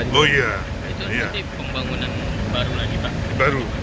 itu nanti pembangunan baru lagi pak